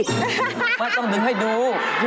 มันต้องดึงให้ดู